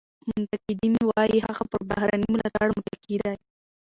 منتقدین وایي هغه پر بهرني ملاتړ متکي دی.